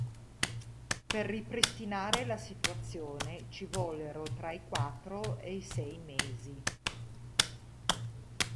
Per ripristinare la situazione ci vollero tra i quattro e i sei mesi.